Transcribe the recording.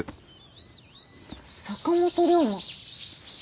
坂本龍馬？